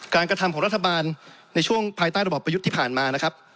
กระทำของรัฐบาลในช่วงภายใต้ระบอบประยุทธ์ที่ผ่านมานะครับ